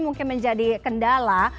mungkin menjadi kendala